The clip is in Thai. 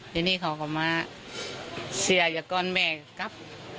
และนี่เขาขอม้าเสียอย่าก้อนแม่ครับ